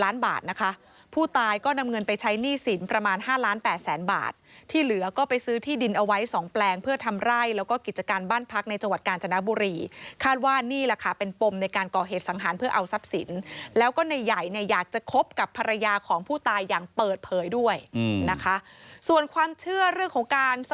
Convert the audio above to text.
ล้านบาทนะคะผู้ตายก็นำเงินไปใช้หนี้สินประมาณ๕ล้าน๘แสนบาทที่เหลือก็ไปซื้อที่ดินเอาไว้๒แปลงเพื่อทำไร่แล้วก็กิจการบ้านพักในจังหวัดกาญจนบุรีคาดว่านี่แหละค่ะเป็นปมในการก่อเหตุสังหารเพื่อเอาทรัพย์สินแล้วก็ในใหญ่เนี่ยอยากจะคบกับภรรยาของผู้ตายอย่างเปิดเผยด้วยนะคะส่วนความเชื่อเรื่องของการส